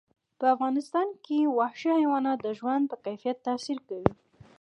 په افغانستان کې وحشي حیوانات د ژوند په کیفیت تاثیر کوي.